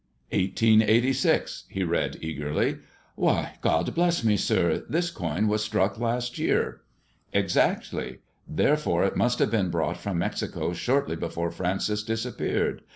*' Eighteen eighty six," he read eagerly. " Why ! God bless me, sir I This coin was struck last year." " Exactly 1 Therefore it must have been brought from Alexico shortly before Francis disappeared.